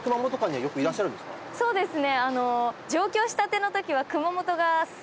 そうですね。